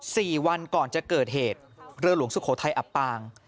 สี่วันก่อนจะเกิดเหตุเรือหลวงสุโขทัยอับปาง